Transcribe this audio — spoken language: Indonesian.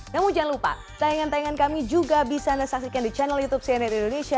namun jangan lupa tayangan tayangan kami juga bisa anda saksikan di channel youtube cnn indonesia